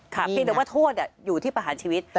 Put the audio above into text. เพียงแต่ว่าโทษอยู่ที่ประหารชีวิต